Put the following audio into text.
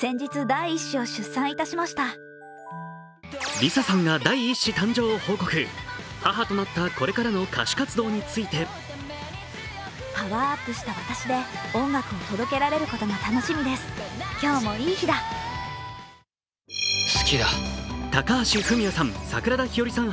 ＬｉＳＡさんが第１子誕生を報告、母となったこれからの歌手活動について高橋文哉さん、桜田ひよりさん